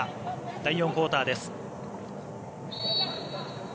第４クオーターです。